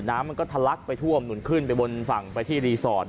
น้ำมันก็ทะลักไปท่วมหนุนขึ้นไปบนฝั่งไปที่รีสอร์ท